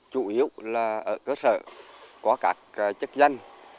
chủ yếu là ở cơ sở có các chức danh